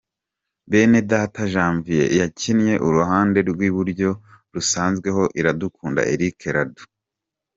Benedata Janvier yakinnye uruhande rw'iburyo rusanzweho Iradukunda Eric Radou.